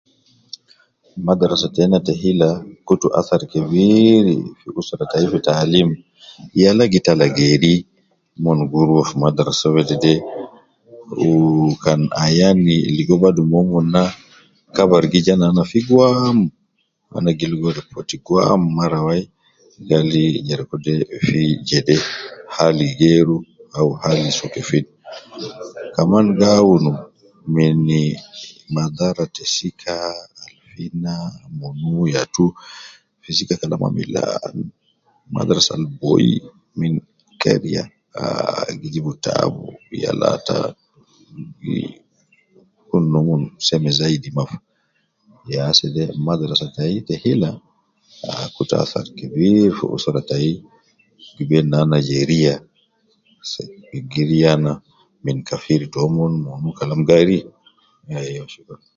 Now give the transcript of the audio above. Usra tayi ligo faida fi taalim kalam maisha taumon kun rai raisi kila kalam ja seme seiseide kalam mon ligo taalim fi ummah, ya fi jedde usra kun furayi zaidi hmm fi life hal taumon kun ta faida.